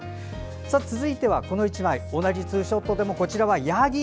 続いては、同じツーショットでもこちらはヤギ。